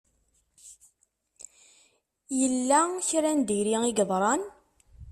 Yella kra n diri i yeḍṛan?